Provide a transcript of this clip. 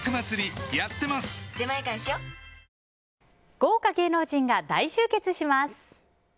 豪華芸能人が大集結します。